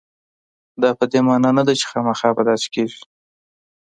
دا په دې معنا نه ده چې خامخا به داسې کېږي.